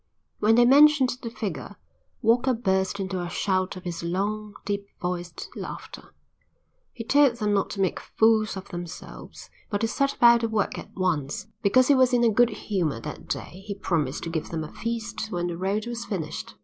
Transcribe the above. When they mentioned the figure, Walker burst into a shout of his long, deep voiced laughter. He told them not to make fools of themselves, but to set about the work at once. Because he was in a good humour that day he promised to give them a feast when the road was finished.